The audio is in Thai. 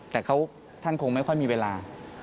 แต่ท่านคงไม่ค่อยมีเวลา